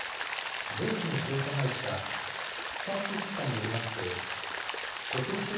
ドイツの調査会社、スタティスタによりますと植物